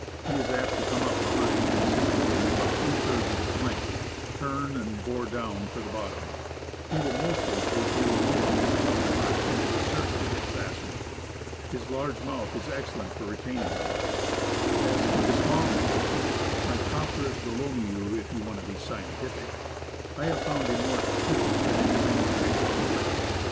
He is apt to come up behind and seize the bait about two thirds of its length, turn, and bore down for the bottom. He will mostly take in the lower hooks, however, and is cer tain to get fastened. His large mouth is excellent for retaining the hook. As for the small mouthed (Micropterus dolomieu, if you want to be scientific), I have found him more capricious than any game fish on the list.